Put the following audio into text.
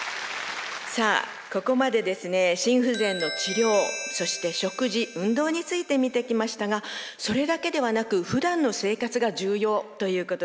さあここまで心不全の治療そして食事運動について見てきましたがそれだけではなくふだんの生活が重要ということでした。